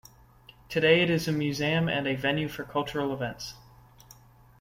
Today, it is a museum and a venue for cultural events.